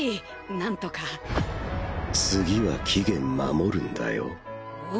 なんとか次は期限守るんだよ・